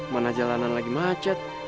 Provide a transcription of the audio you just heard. mana jalanan lagi macet